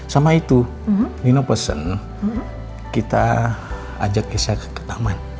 sama itu nino pesen kita ajak saya ke taman